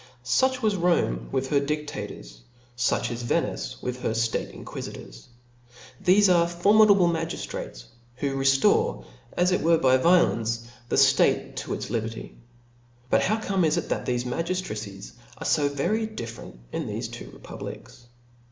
Such was Rome with her diftators, fuch is Venice with her ftate inquifitors 5 thcfe are formidable magiftrates^ who reftore, as it were by violence, the ftate to its liberty. But how comes it that thefe magiftra cics are fo very different in thefe two republics